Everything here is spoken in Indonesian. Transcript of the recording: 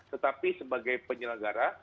tetapi sebagai penyelenggara